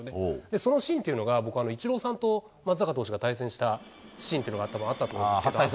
そのシーンというのがイチローさんと松坂投手が対戦したシーンというのがあったと思うんですけど。